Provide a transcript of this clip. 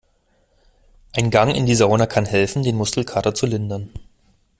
Ein Gang in die Sauna kann helfen, den Muskelkater zu lindern.